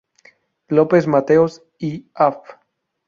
López Mateos y Av.